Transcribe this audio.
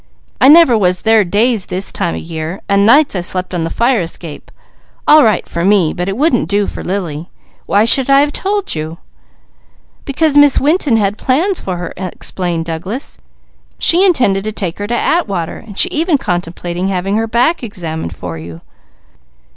I never was there days this time of year, and nights I slept on the fire escape; all right for me, but it wouldn't do for Lily. Why should I have told you?" "Because Miss Winton had plans for her," explained Douglas. "She intended to take her to Atwater, and she even contemplated having her back examined for you."